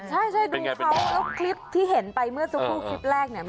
ใช่ดูเขาแล้วคลิปที่เห็นไปเมื่อสักครู่คลิปแรกเนี่ย